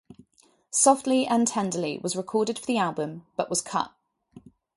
"Softly and Tenderly" was recorded for the album but was cut.